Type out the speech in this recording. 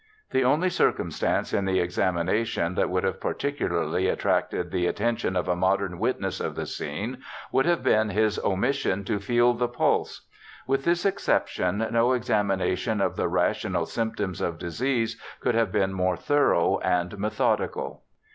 The only circumstance in the examination that would have particularly attracted the attention of a modern witness of the scene, would have been his omission to feel the pulse. With this exception, no examination of the rational symptoms of disease could have been more thorough and methodical.